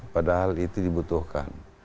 padahal itu dibutuhkan